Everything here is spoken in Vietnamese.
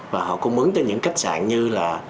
và họ cung ứng cho những cách sản như là